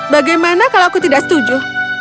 bagaimana kalau aku tidak setuju